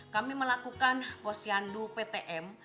kami melakukan posyandu ptm